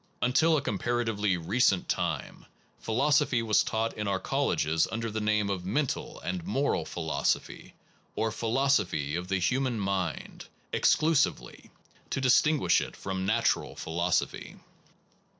Until a comparatively recent time, philosophy was taught in our colleges un der the name of mental and moral philoso phy, or philosaphy of the human mind, exclusively, to distinguish it from natural philosophy.